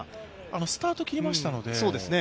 スタート切りましたので。